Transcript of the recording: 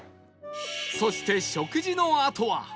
そして食事のあとは